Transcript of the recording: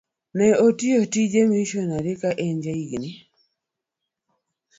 Ne otiyo tij misonari ka en jahigni